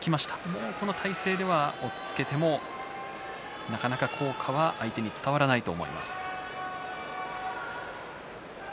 もうこの体勢では押っつけてもなかなか効果は相手に伝わらないと思います。